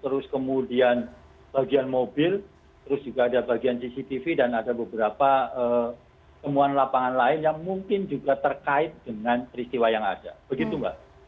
terus kemudian bagian mobil terus juga ada bagian cctv dan ada beberapa temuan lapangan lain yang mungkin juga terkait dengan peristiwa yang ada begitu mbak